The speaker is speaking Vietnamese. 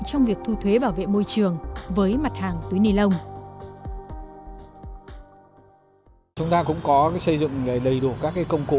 trong việc thu thuế bảo vệ môi trường